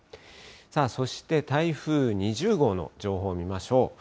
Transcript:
そして台風２０号の情報を見ましょう。